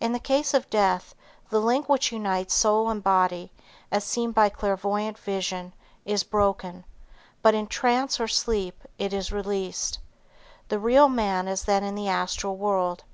In the case of death, the link which unites soul and body, as seen by clairvoyant vision, is broken, but in trance or sleep it is released. The real man is then in the astral world.